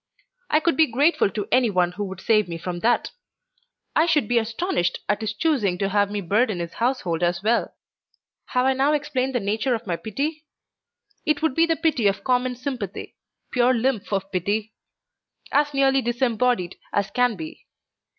I could be grateful to any one who would save me from that. I should be astonished at his choosing to have me burden his household as well. Have I now explained the nature of my pity? It would be the pity of common sympathy, pure lymph of pity, as nearly disembodied as can be.